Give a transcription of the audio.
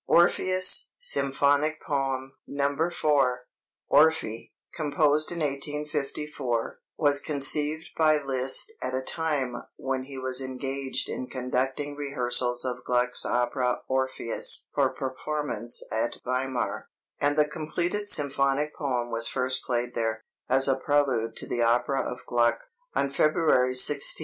"ORPHEUS," SYMPHONIC POEM (No. 4) Orphée, composed in 1854, was conceived by Liszt at a time when he was engaged in conducting rehearsals of Gluck's opera "Orpheus" for performance at Weimar, and the completed symphonic poem was first played there, as a prelude to the opera of Gluck, on February 16,1854.